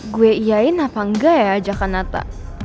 gue iain apa enggak ya ajakan atta